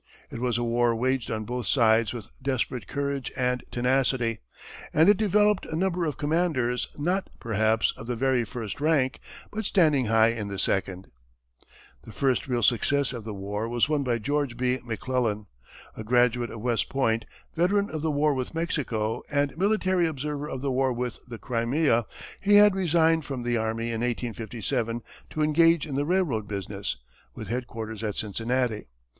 It was a war waged on both sides with desperate courage and tenacity, and it developed a number of commanders not, perhaps, of the very first rank, but standing high in the second. The first real success of the war was won by George B. McClellan. A graduate of West Point, veteran of the war with Mexico, and military observer of the war in the Crimea, he had resigned from the army in 1857 to engage in the railroad business, with headquarters at Cincinnati.